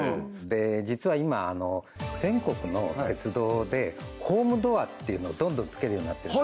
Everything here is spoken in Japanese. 実は今全国の鉄道でホームドアっていうのどんどんつけるようになってる